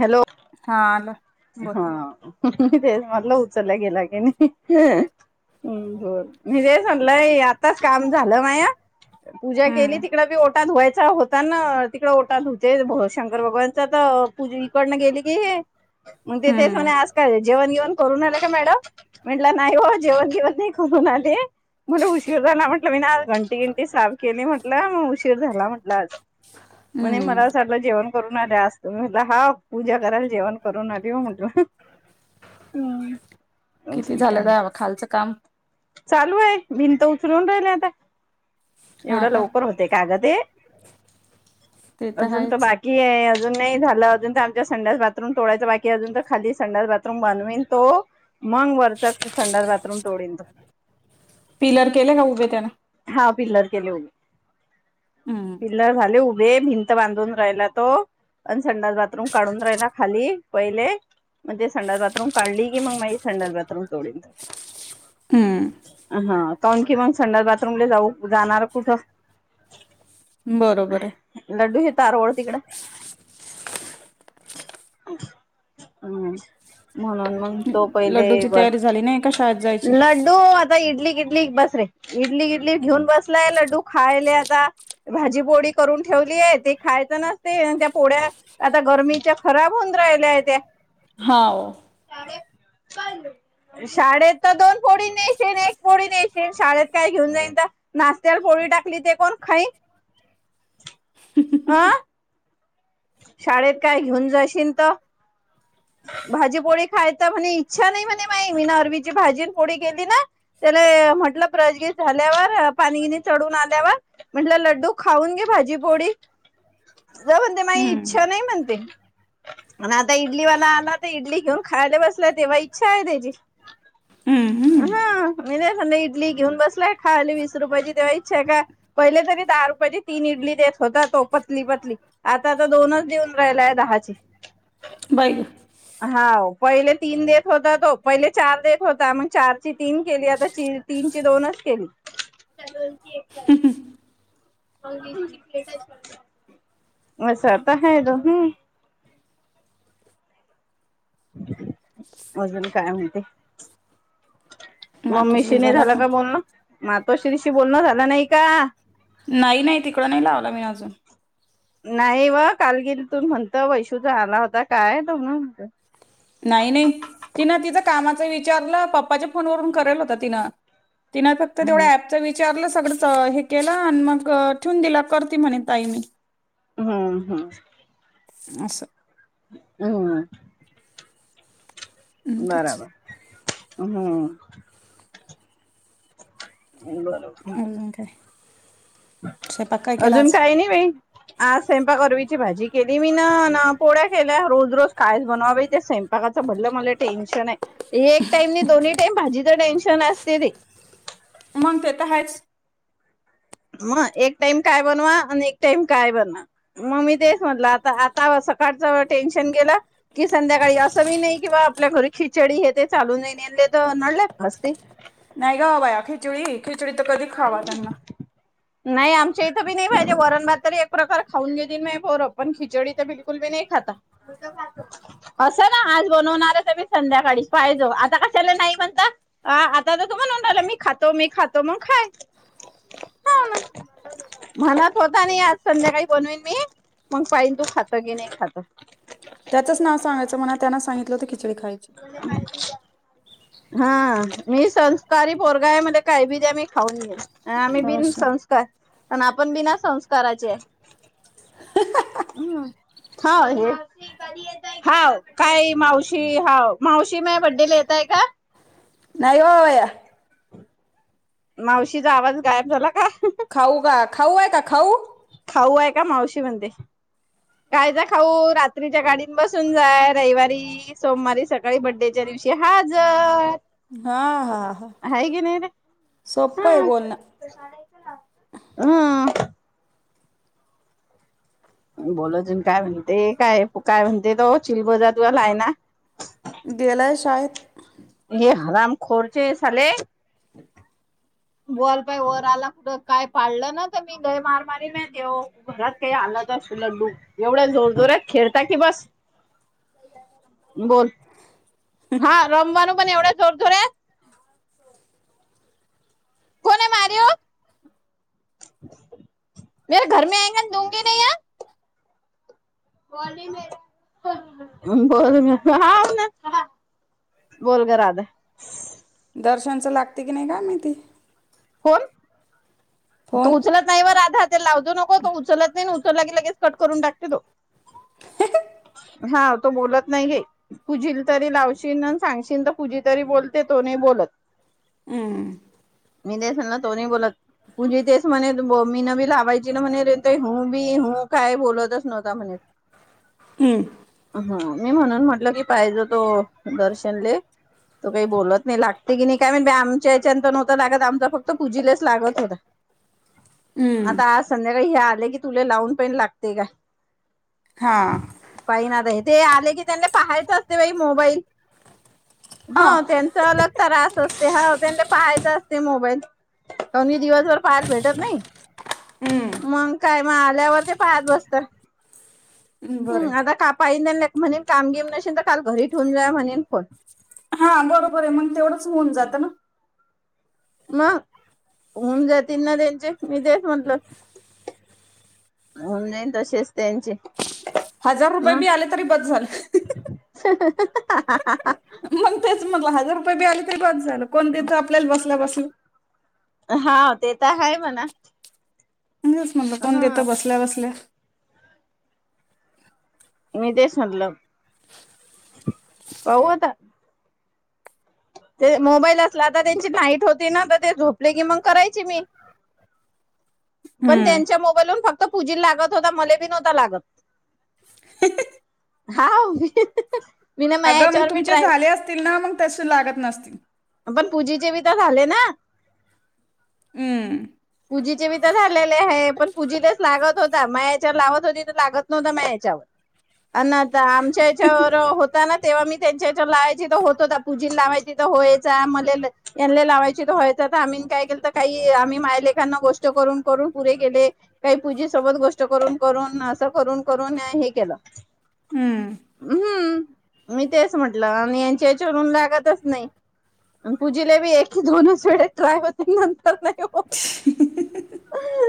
Hello. हा आलं बर हा. मी तेच म्हटल उचलाय गेला की नाही. [unintelligible] बरं. मितेच म्हणलं ए आता काम झालं माया पुजा केलि हम्म तिकडं ओ - - ओटा धुवायचा होताना तिकडं ओटा धुते शंकर भगवानचा तर इकडन गेली की हे मग ते ते स हम्म आज काय जेवण जेवण करून आल का मॅडम म्हटलं नाही हो जेवण घेवण नाही व करून आले. म्हणे उशीर झाला म्हटलं मी ना आज घंटी घंटी सार. केली म्हटलं मग उशीर झाला म्हटला आज म्हणे मलाच हम्म वाटलं जेवण करून आल्या असज तुमही. ल हव पूजा कराल जेवण करून आली व म्हटल. किती हम् झालं काय. दा खालचं काम चालू आहे भिनंत उचलून राहिल आता. हा एवढं का लवकर होते का ग ते? आहे ते अजून तर आहेच बाकी आहे अजून नाही झालं अजून तर आमच्या संड्याास बाथरूम तोडायच बाकी अजून तर खाली संडास ब बाथरूम बनवेन तो मग वरचा संडात बाथरूम तोडीन तो. पिलर केले का उभे त्यान? पिलर केलं उभे. हम्म पिलर झाले उभे वे भिंत बांधून राहिला तो अन संडास बाथरूम काढून राहिला खाली पहिले. म्हणजे संडास बाथरूम काढली की, मग माझी संडास बाथरूम तोडेल. हम्म अ हा. काऊन की मग संडास बाथरूमला जाऊ जाणार कुठं? बरोबर आहे. तार ओळ तिकडें. हम्. म्हणून मग तो पहिले लड्डूची बर तयारी झाली नाही का शाळेत जायची लड्डू आ इडली किडली बस रे इडली इडली घेऊन बसलाय लड्डू खायले आता भाजी पोळी करून ठेवलीये खायच नसते, त्या पोळ्या आता गरमीच्या खराब होऊन राहिल्या आहे त्या. हांव. [inaudible] शाळेत तर दोन फोडी नेशेन एक फोडी नेशेन शाळेत काय घेऊन जायच? नाशत्याल पोळी टाकली ते कोण खाईन? अं. शाळेत काय घेऊन जाशील त? [inaudible] भाजीपोळी खायचा म्हनी इच्छा नाही म्हणे माई मी नरवीची भाजी पोळी केली ना त्येला म्हटलं प्रजगी झाल्यावर पाणीगिनी चढून आल्यावर म्हटलं लड्डू खाऊन घे भाजीपोडी [inaudible] जा म्हणते माई हम्म इच्छा नाही म्हणते. आणि आता इडली वाला आला तर इडली घेऊन खायला बसला तेव्हा इच्छा हाय त्येची. हू. हां. [unintelligible] इडली घेऊन बसलाय खाली वीस रुपयाची तेव्हा इच्छा आहे का पहिले तरी दहा रुपयाची तीन इडली देत होता तो पतली पतली. आता तो दोनच देऊन राहिलाय दहाची. बाई. हां वो, पहिले तीन देत होता तो. पहिले चार देत होता मग चारची तीन केली आता तीनची दोनच केली. [inaudible] मस्त आता हाय तो. हूं. अजून काय म्हणते? मम्मीशी मातोश्री नाही झाला झालं फोन का बोलणं? मातोश्रीशी बोलणं झालं नाही का? नाही नाही तिकडं नाही लावला मी अजून. नाही व काल गिल तून म्हणतं वैशुचा आला होता काय त म्हण नाही नाही. तिन तिचं कामाच विचारलं पप्पाच्या फोन वरून करल होत तिनं. तिनं फक्त तेवढ्या हम्म ॲपच विचारलं स हे केलं आणि मग ठेवून दिलं करती म्हणे ताई मी हम्म हम्म असे. हम तेच हा बरोबर अजून काय स्वयंपाक काय केला अजून आज काही नाही बाई आज स्वयंपाक अरवीची भाजी केली मी ना ना पोळ्या केल्या रोज रोज कायच बनवावे त्या स्वयंपाकाचं भलं मलं टेन्शन आहे. एक टाइम नि दोन्ही टाईम माझी तर टेन्शन असते ते मग ते तर आहेच. मग एक टाइम काय बनवा आणि एक टाइम काय बनवा मग मी तेच म्हटलं आता आता सकाळचं टेन्शन गेलं की संध्याकाळी असं बी नाही किंवा आपल्या घरी खिचडी हे ते चालू नये. [unintelligible] नाही गं बया खिचडी खिचडी तर कधी खावा त्यांना नाही आमच्या इथं बी नाही पाहिजे वरणभात तरी खऊन घे पण खिचडी बिलकुली नाही खात अस आज बनवणारच आहे संध्याकाळी [inaudible] का नाही म्हणता आता तर [inaudible] [inaudible] खातो मी खातो मग खाय हो [unintelligible] म्हणत होता नाही आज संध्याकाळी बनवीन मी मग पाईन तू खात की नाही खात त्याचंच नाव सांगायचं म्हणा त्यांना सांगितलं होत खिचडी खायची हा मी संस्कारी पोरगा मी काही बी द्या मी खाऊन न आम्ही बिन असं संस्कार पण आपण बिना संस्काराचे आहे हम् हा आहे हाव काही मावशी हाव मावशी म बड्डे ला येतय का? नाही होया मावशीचा आवाज गायब झाला का? खाऊ का खाऊ आहे का खाऊ? खाऊ आहे का मावशी म्हणते खायच खाऊ रात्रीच्या गाडीन बसून जाय रविवारी सोमवारी सकाळी बड्डेच्या दिवशी हाजर हा हा हा सोपं आहे बोलणं हम बोला अजून काय म्हणते काय काय म्हणते तो चिलबज तुवाला आहे ना गेला शाळेत [unintelligible] [unintelligible] [inaudible] लड्डू एवढ्या जोर जोरात खेळता की बस [unintelligible] बोल हा रमवान पण एवढे जोरजोरे [unintelligible] [unintelligible] [unintelligible] बोल ग राधा दर्शनचं लागते की नाही काय माहिती कोण फोन तू उचलत नाही राधा ते लावजू नको तो उचलत नाही लगे लगेच कट करून टाकते तो [unintelligible] हा तो बोलत नाही घे कुझी तरी लावशील सांगशील तर पुजी तरी बोलते तो नाही बोलत हम्म मी देसल ना दोन्ही बोलत पुजे तेच म्हणे मीन बी लावायची ना म्हणे हू बी हू काय बोलतच नव्हता म्हणे हम्म ह मी म्हणून म्हटलं की पाहिजे तो दर्शनले तो काही बोलत नाही लागते की नाही काय माहित बाई आमच्या याच्यात प नवतं लागत आम फक्त पूजीच लागत होता हम्म आता आज संध्या का हे आले की तुला लावून पाहे लागते का हा ते आले की त्यांनी पाहायच असते बाई मोबाईल अ हो त्यांचा अलग त्रास असते ह त्यां पाहायच ते मोबाईल ही दिवसभर पाहायला भेटत नाही हम्म मग काय मग आल्यावर ते पाहत बसतात बरं हम् आता का पाई नाही नाही म्हणेन काम घेम नसेल तर काल घरी ठेऊून जा म्हणेल फोन हा बरोबर आहे मग तेवढंच होऊन जातं ना मग होऊन जातील ना त्यांचे, मी तेच म्हटल. होईन आन तसेच त्यांचे हजार रुपय मग बी आले तरी बास झालं. [unintelligible] मंग तेच म्हणल हजार रुपये बी आले तरी बास झालं, कोण देत आपल्याला बसल्या बसल्या. हा ते तर हाय म्हणा. म्हणूनच म्हटलं, कोण देत हा बसल्या बसल्या? [unintelligible] ते मोबाईल असला त त्यांची नाईट होती ना, तर ते झोपले कि मंग करायची मी. [unintelligible] पण हम्म त्यांच्या मोबाईलून फक्त पूजील लागत होता, मले बी नवता लागत. हा. मी ना माझ्या अगं मग याच्यावर बी तुमचे ट्राय झाले असतील ना, मग तशे लागत नसतील. पण पूजेचे भी तर झाले ना. हम्म. पूजीचे बी तर झालेले हे, पण पूजीच्यात लागत होता माया येच्यावर लावत होती, तर लागत नव्हता मायाच्यावर. [unintelligible] अन आता आमच्या हेच्यावर होता ना तेव्हा मी त्यांच्या हेच्यावर लावायची तर होत होता, पूजील लावायची तर व्हायचा, मले लो यांले लावायचे तर व्हाय [unintelligible] आम्ही काय केलतो काही आम्ही माय ले त्यांना गोष्ट करून करून पुरे केेले, काही पूजे सोबत गोष्ट करून करून, असं करून करून हे केल, हम्म. मी तेच म्हंटलं आणि यांच्या हेच्यावरून लागतच नाही. म पूजीला बी एके दोनच वेळे ट्राय होते, नंतर नाही होत.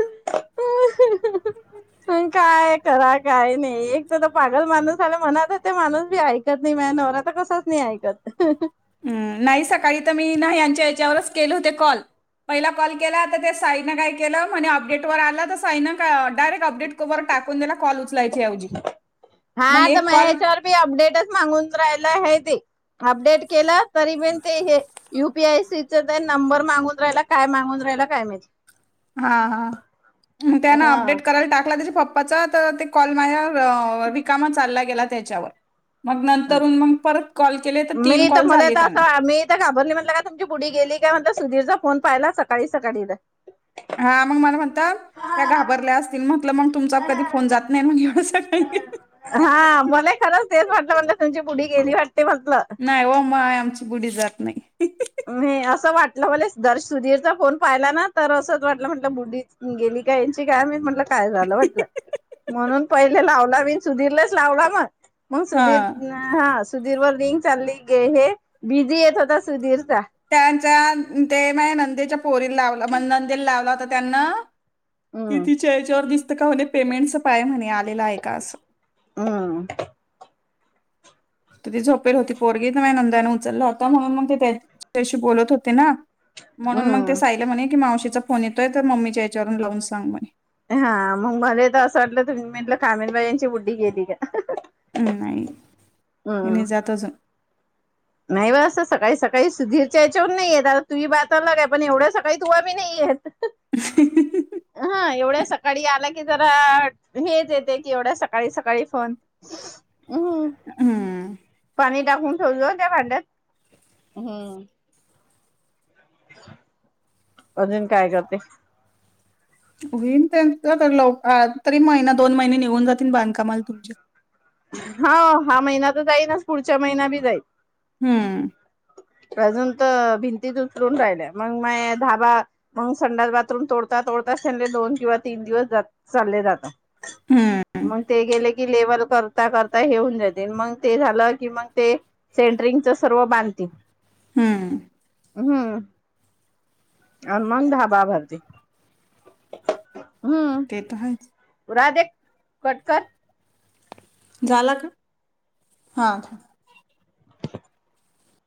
[unintelligible] पण काय कराय काय नाही, एक तर पागल माणूस आला म्हनत होते माणूस मी ऐकत नाही माया नव म आता कसच नाही ऐकत हम्म. नाही सकाळी तुम्ही ल्हायांच्या हेच्यावरच केले होते कॉल पहिला कॉल केला होता, ते साईनं काय केलं? म्हणे अपडेटवर आलं त साई नां का अ डायरेक अपडेट [unintelligible] टाकून दिला कॉल उचलायचे ऐवजी. मग हा तर एक म्हाया कॉल हेच्यावर बी अपडेटच म्हांगून राहाला हाय ते. अपडेट केलं तरी पण ते हे, यूपीआयसीच ते नंबर मांगून राहिला काय मांगून [unintelligible] काय माहित हा हा. आन त्यान अपडेट करायला टाकला त्याचे पप पच तर ते कॉल माया अ रिकामा चालला गेला त्याच्यावर. मग नंतरून मग परत कॉल केले तर तीन मी त कॉल मले झाले त त्यांना असं मी तर घाबरली म्हटलं का, तुमची पुडी गी गेली काय म्हणल, सुधीरचा फोन पाहिला सकाळी सकाडील हा मग मला म्हण कोण? त्या घाबरल्या असतील म्हटलं, मग तुमचा कधी फोन जात नाही मग एवढ्या सकाळी हा. मले खरंच तेच वाटल, म्हणल तुमची पुढी गेली वाट नाही ओ, म आमची बुढी जात नाही. न्ही असं वाटलं मले दर सुधीरचा फोन पाहिला ना, तर असं वाटलं म्हट बुढीच गेल ते काय ह्यांची काय माहित म्हटलं काय झालं म्हटलं म्हणून पहिले लावला मी सुधीरलेच लावला मग. मग सुधीर हा हा सुधीर वर रिंग चालली, गे हे बिझी येत होता सुधीर त्यांच्या ते माया नंदेच्या पोरी लावलं, माया नंदेला लावला होता त्यांना हम्म किती च्या ह्याच्यावर दिसत का, [unintelligible] पेमेंटचं पाय म्हणे आलेलं आहे का असं हम्म. तर ती झोपेल होती पोरगी माया नंदेने उचलला होता, म्हणून मग ते त्याच्याशी बोलत होते ना म्हणून मग ते हम्म सायल्या म्हणे की, मावशीचा फोन येतोय तर मम्मीच्या हेच्यावरून लावून सांग म्हणे हा मग मला तर असं वाटलं तुम्ही म्हटलं कामिलबाई यांची बुढी गेली काय. हम् नाही ती नाही जात अजून नाही बा. असं सकाळी सकाळी सुधीरच्या याच्यावरून नाहीयेत आता तुम्ही बाताला का पण एवढ्या सकाळी तूला नाही. हा एवढ्या, सकाळी आला की जरा हेच येते कि एवढ्या सकाळी सकाळी फोन हम्म हम्म पाणी टाकून ठेवलो त्या भांड्यात. हम्म, अजून काय करते? होईन त्यां लव तरी महिना दोन महिने निघून जातील बांधकामाला तुमच्या हा हा महिना तर जाईनच पुढच्या महिना बी जाईल. हम्म, अजून तर भिंतीत उतरून राहिल्या मग माय धाबा मग संडास बाथरूम तोडता. तोडता तोडता त्यांने दोन किंवा तीन दिवस चालले जाता. हं, मग ते गेले की लेवल कर ता करता हे होऊन जाते मग ते झालं की मग ते सेंटरिंग सर्व बांधतील. हम्म, हम्म, आन मग ढाबा भरते, हम्म ते तर हायच, राधे कट कर झाला का हा